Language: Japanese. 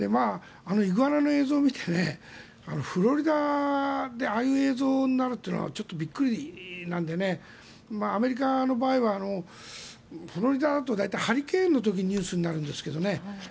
イグアナの映像を見てフロリダでああいう映像になるというのはちょっとびっくりなんでねアメリカの場合はフロリダだとハリケーンの時にニュースになるんですけどね。